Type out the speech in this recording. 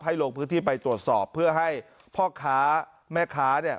ลงพื้นที่ไปตรวจสอบเพื่อให้พ่อค้าแม่ค้าเนี่ย